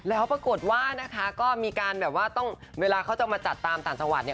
แล้วปรากฏว่านะคะก็มีการแบบว่าต้องเวลาเขาจะมาจัดตามต่างจังหวัดเนี่ย